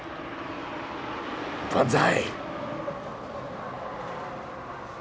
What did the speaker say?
万歳！